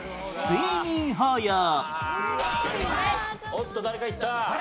おっと誰かいった。